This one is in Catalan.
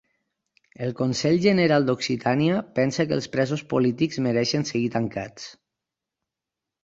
El Consell General d'Occitània pensa que els presos polítics mereixen seguir tancats